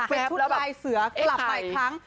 เป็นชุดลายเสือกลับมาอีกครั้ง